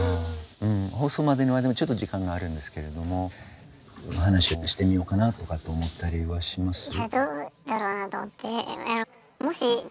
放送までの間もちょっと時間があるんですけれどもお話をしてみようかなとかって思ったりはします？